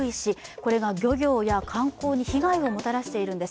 これが漁業や観光に被害をもたらしているんです。